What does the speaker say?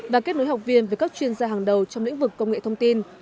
và kết nối học viên với các chuyên gia hàng đầu trong lĩnh vực công nghệ thông tin